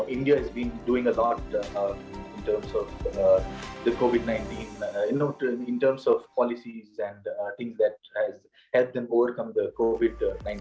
india telah melakukan banyak hal terhadap covid sembilan belas